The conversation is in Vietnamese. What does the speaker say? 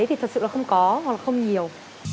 thì thật sự là không có hoặc là không nhiều